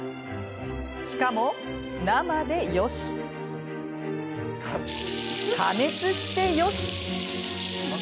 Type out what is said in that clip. しかも、生でよし加熱してよし。